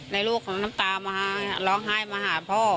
ลูกของน้ำตามาร้องไห้มาหาพ่อ